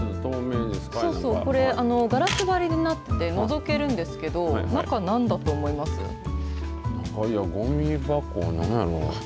そうそう、これ、ガラス張りになって、のぞけるんですけど、ごみ箱、なんやろ？